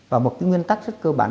và một nguyên tắc rất cơ bản